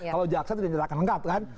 kalau jaksa itu tidak akan lengkap kan